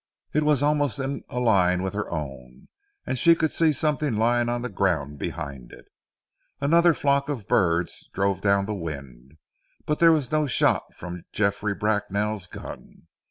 It was almost in a line with her own, and she could see something lying on the ground behind it. Another flock of birds drove down the wind, but there was no shot from Geoffrey Bracknell's gun.